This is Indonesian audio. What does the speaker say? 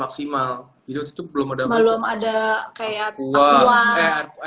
masih kaget mereka masih dedakan banget karena kan baru dua hari ditunjukkan gitu jadi